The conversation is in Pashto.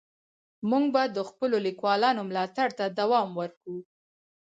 موږ به د خپلو لیکوالانو ملاتړ ته دوام ورکوو.